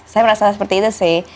saya merasa seperti itu sih